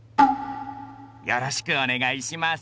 よろしくお願いします。